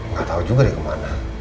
gak tau juga deh kemana